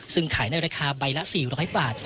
ซึ่งขายในราคาใบละ๔๐๐บาท